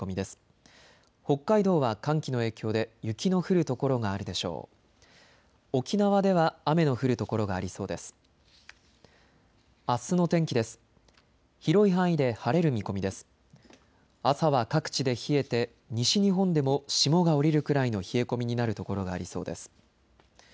朝は各地で冷えて西日本でも霜が降りるくらいの冷え込みになる所がありそうです。